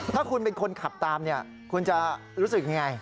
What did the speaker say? ถ้าคุณเป็นคนขับตามคุณจะรู้สึกยังไง